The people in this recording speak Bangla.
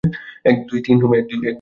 এক, দুই, তিন, হোম!